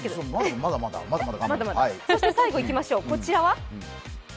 そして最後いきましょう、こちらは。